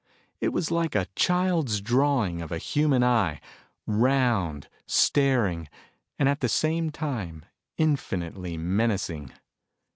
It was like a child's drawing of a human eye, round, staring, and at the same time infinitely menacing.